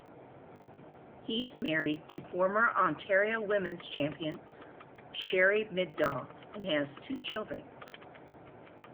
He is married to former Ontario women's champion Sherry Middaugh, and has two children.